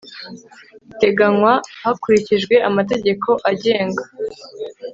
biteganywa hakurikijwe amategeko agenga